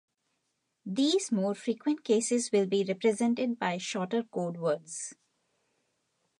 These more-frequent cases will be represented by shorter code words.